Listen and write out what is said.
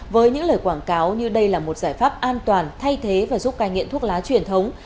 với những lời quảng cáo như đây là một giải pháp an toàn thay thế và giúp cài nghiện thuốc lá truyền thống